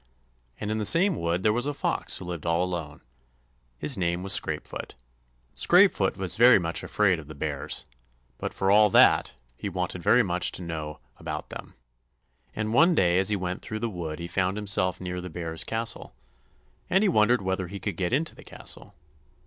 And in the same wood there was a fox who lived all alone. His name was Scrapefoot. Scrapefoot was very much afraid of the bears, but for all that he wanted very much to know about them. And one day as he went through the wood he found himself near the bears' castle, and he wondered whether he could get into the castle.